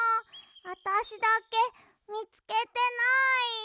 あたしだけみつけてない。